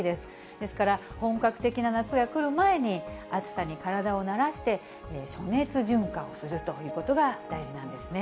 ですから、本格的な夏が来る前に、暑さに体を慣らして、暑熱馴化をするということが大事なんですね。